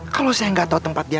kalau saya gak tau tempat dia